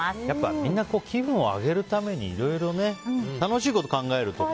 みんな気分を上げるためにいろいろ楽しいことを考えるとか。